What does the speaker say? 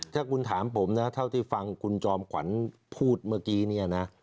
ถ้าคุณถามผมนะเท่าที่ฟังคุณจอมขวัญพูดเมื่อกี้เนี่ยนะ